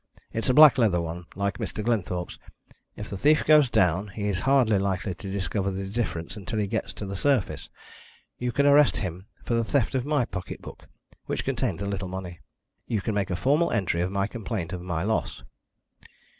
"It's a black leather one, like Mr. Glenthorpe's. If the thief goes down he is hardly likely to discover the difference till he gets to the surface. You can arrest him for the theft of my pocket book, which contains a little money. You can make a formal entry of my complaint of my loss."